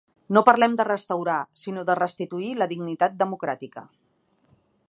No parlem de restaurar, sinó de restituir la dignitat democràtica.